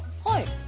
はい。